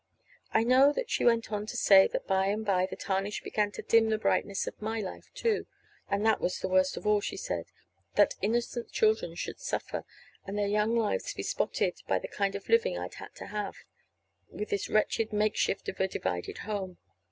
I know that she went on to say that by and by the tarnish began to dim the brightness of my life, too; and that was the worst of all, she said that innocent children should suffer, and their young lives be spotted by the kind of living I'd had to have, with this wretched makeshift of a divided home.